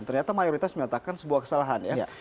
ternyata mayoritas menyatakan sebuah kesalahan ya